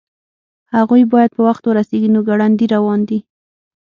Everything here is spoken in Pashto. هغوی باید په وخت ورسیږي نو ګړندي روان دي